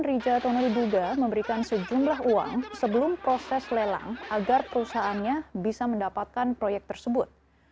rijatono diduga memberikan sejumlah uang sebelum proses lelang agar perusahaannya bisa mendapatkan proyek tersebut